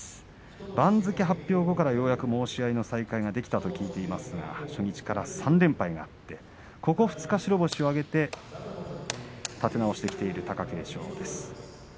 番付発表後からようやく申し合いの再開ができたと聞いていますが初日から３連敗があってここ２日、白星を挙げて立て直してきている、貴景勝です。